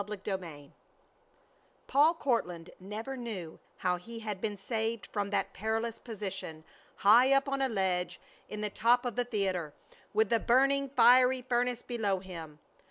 CHAPTER II Paul Courtland never knew how he had been saved from that perilous position high up on a ledge in the top of the theater, with the burning, fiery furnace below him.